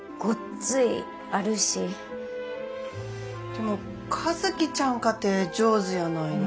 でも和希ちゃんかて上手やないの。